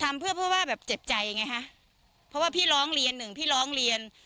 ทำเพื่อเพราะว่าแบบเจ็บใจไงฮะเพราะว่าพี่ร้องเรียนหนึ่งพี่ร้องเรียน